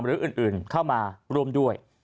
หรืออื่นเข้ามาร่วมด้วย